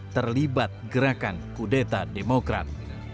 terlibat gerakan kudeta demokrat